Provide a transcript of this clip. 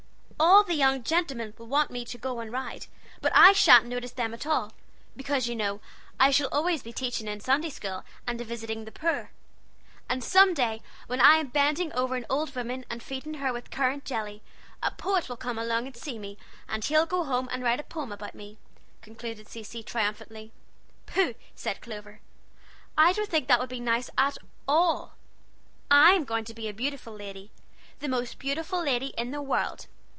All the young gentlemen will want me to go and ride, but I shan't notice them at all, because you know I shall always be teaching in Sunday school, and visiting the poor. And some day, when I am bending over an old woman and feeding her with currant jelly, a poet will come along and see me, and he'll go home and write a poem about me," concluded Cecy, triumphantly. "Pooh!" said Clover. "I don't think that would be nice at all. I'm going to be a beautiful lady the most beautiful lady in the world!